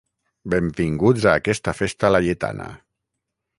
Benvinguts a aquesta festa laietana.